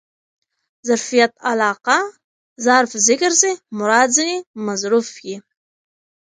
ظرفیت علاقه؛ ظرف ذکر سي مراد ځني مظروف يي.